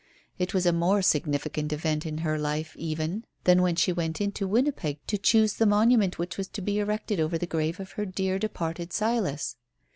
It was a more significant event in her life even than when she went into Winnipeg to choose the monument which was to be erected over the grave of her departed Silas.